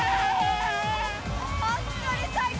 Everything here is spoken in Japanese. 本当に最高！